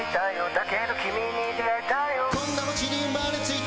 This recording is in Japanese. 「だけど君に出会えたよ」